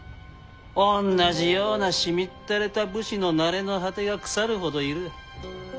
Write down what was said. おんなじようなしみったれた武士のなれの果てが腐るほどいる。